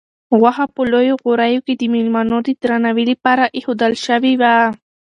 غوښه په لویو غوریو کې د مېلمنو د درناوي لپاره ایښودل شوې وه.